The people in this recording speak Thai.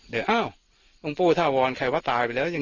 เดี๋ยวเฮ้อ้าวอลุงปู่ธาวรใครว่าตายไปแล้ว